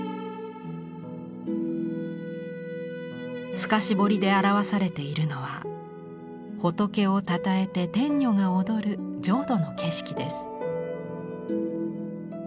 透かし彫りで表されているのは仏をたたえて天女が踊る浄土の景色です。